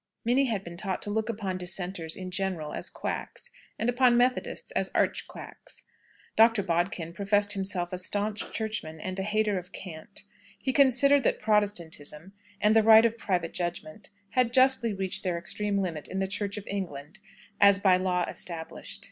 Minnie had been taught to look upon Dissenters in general as quacks, and upon Methodists as arch quacks. Dr. Bodkin professed himself a staunch Churchman and a hater of "cant." He considered that Protestantism, and the right of private judgment, had justly reached their extreme limits in the Church of England as by law established.